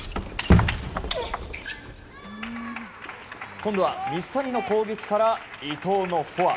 今度は、水谷の攻撃から伊藤のフォア！